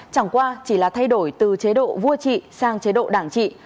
chẳng qua chỉ là thay đổi từ chế độ vua trị sang chế độ đảng trị